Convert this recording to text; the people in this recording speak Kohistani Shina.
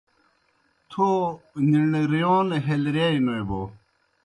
تھو نِݨریون ہیلرِیائے نوْ بو۔